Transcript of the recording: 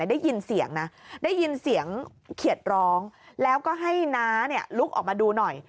ได้ยินเสียงเขียดร้องและให้น้าลุกออกมาดูหน่อย